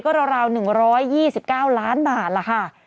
ก็ราว๑๒๙ล้านบาทล่ะค่ะ